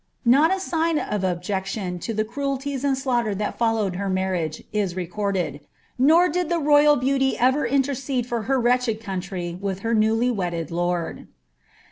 '" But not a word, not a sign of objection to the cruelties and slaughter that followed her marriage, is recorded ; nor did the royal beauty ever intercede for her wretched country with her rly wedded lord.